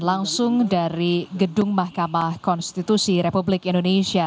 langsung dari gedung mahkamah konstitusi republik indonesia